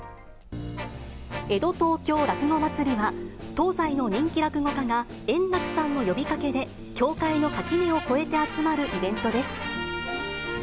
江戸東京落語まつりは、東西の人気落語家が円楽さんの呼びかけで、協会の垣根を越えて集まるイベントです。